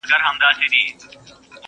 له جهان سره به سیال سيقاسم یاره.